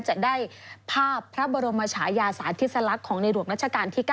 จะได้ภาพพระบรมชายาสาธิสลักษณ์ของในหลวงรัชกาลที่๙